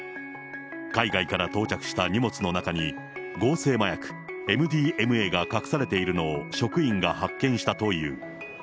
海外から到着した荷物の中に、合成麻薬ＭＤＭＡが隠されているのを職員が発見したという。